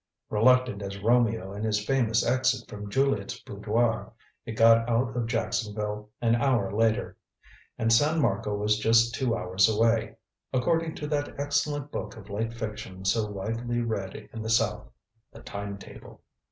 Reluctant as Romeo in his famous exit from Juliet's boudoir, it got out of Jacksonville an hour later. And San Marco was just two hours away, according to that excellent book of light fiction so widely read in the South the time table.